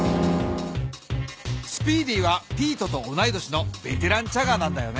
スピーディーはピートと同い年のベテランチャガーなんだよね。